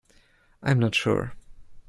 I am not sure.